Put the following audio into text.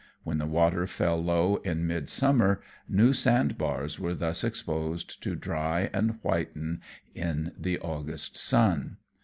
When the water fell low in midsummer, new sand bars were thus exposed to dry and whiten in the August sun.